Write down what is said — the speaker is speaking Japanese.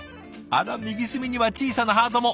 あら右隅には小さなハートも。